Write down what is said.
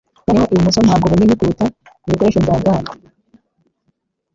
Noneho ibumoso ntabwo bunini kuruta ibikoresho bya gall.